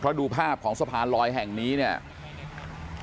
เพราะดูภาพของสะพานลอยแห่งนี้เนี่ย